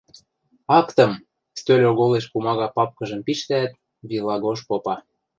Актым! – стӧл оголеш пумага папкыжым пиштӓӓт, Вилагош попа.